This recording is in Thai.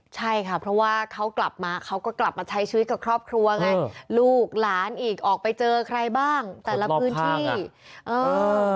ใช่ค่ะเพราะว่าเขากลับมาเขาก็กลับมาใช้ชีวิตกับครอบครัวไงลูกหลานอีกออกไปเจอใครบ้างแต่ละพื้นที่เออ